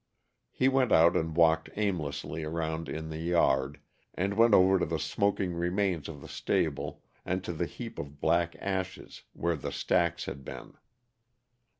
He went out and walked aimlessly around in the yard, and went over to the smoking remains of the stable, and to the heap of black ashes where the stacks had been.